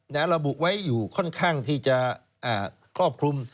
ระบุไว้อยู่ค่อนข้างที่จะครอบคลุม